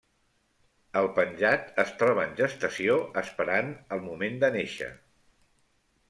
El Penjat es troba en gestació, esperant el moment de nàixer.